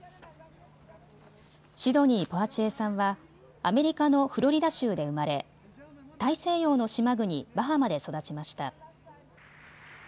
シドニー・ポワチエさんはアメリカのフロリダ州で生まれ大西洋の島国バハマで育ちました。